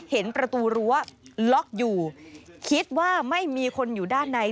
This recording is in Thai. เห็นประตูรั้วล็อกอยู่คิดว่าไม่มีคนอยู่ด้านใน